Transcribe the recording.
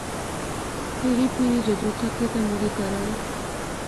پھری پھری جذوں تھکے تے مُڑی کہرا آئے